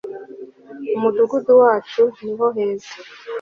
umudugudu wacu niho heza